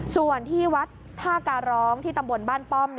ส่วนที่วัดท่าการร้องที่ตำบลบ้านป้อม